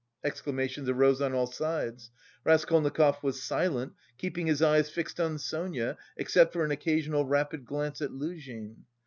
Exclamations arose on all sides. Raskolnikov was silent, keeping his eyes fixed on Sonia, except for an occasional rapid glance at Luzhin.